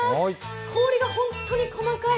氷が本当に細かい。